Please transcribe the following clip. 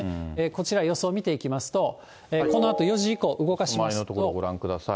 こちら、予想見ていきますと、このあと４時以降動かしますと。